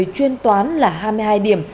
chuyên toán là hai mươi hai điểm